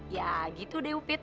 ya gitu deh upit